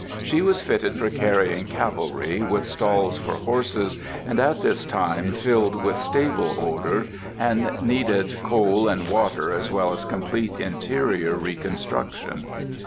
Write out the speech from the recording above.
She was fitted for carrying cavalry, with stalls for horses, and at this time filled with stable odor, and needed coal and water as well as complete interior reconstruction.